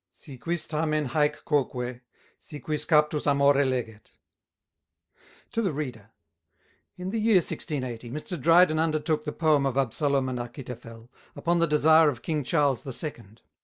"Si quis tamen haec quoque, si quis captus amore leget." TO THE READER. In the year 1680, Mr Dryden undertook the poem of Absalom and Achitophel, upon the desire of King Charles the Second.